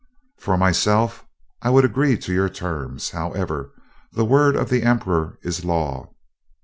"For myself, I would agree to your terms. However, the word of the Emperor is law."